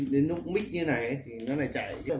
đến lúc mít như thế này thì nó lại chảy